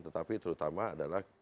tetapi terutama adalah